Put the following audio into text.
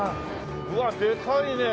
うわでかいね。